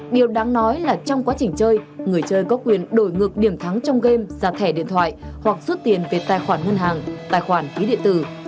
điều đáng nói là trong quá trình chơi người chơi có quyền đổi ngược điểm thắng trong game ra thẻ điện thoại hoặc rút tiền về tài khoản ngân hàng tài khoản ví điện tử